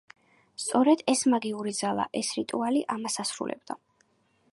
სწორედ ეს მაგიური ძალა, ეს რიტუალი ამას ასრულებდა.